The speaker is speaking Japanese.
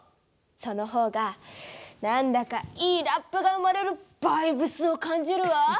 そのほうがなんだかいいラップが生まれるバイブスを感じるわ！